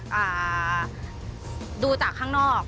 ก็คุ้มค่ะเพราะว่าดูจากข้างนอก